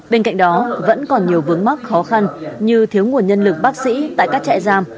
bên cạnh đó vẫn còn nhiều vướng mắc khó khăn như thiếu nguồn nhân lực bác sĩ tại các trại giam